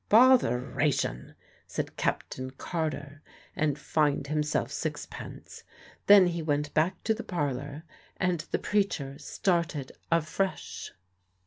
"Botheration!" said Captain Carter, and fined himself sixpence. Then he went back to the parlour, and the preacher started afresh.